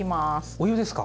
お湯ですか？